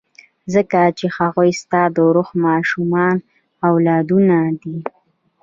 ځکه چې هغوی ستا د روح ماشومان او اولادونه دي.